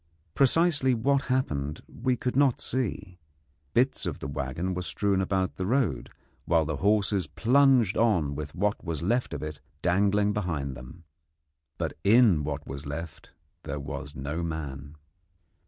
Precisely what happened we could not see. Bits of the waggon were strewn about the road, while the horses plunged on with what was left of it dangling behind them. But in what was left there was no man.